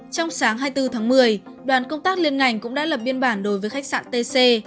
trong sáng hai mươi bốn tháng một mươi đoàn công tác liên ngành cũng đã lập biên bản đối với khách sạn tc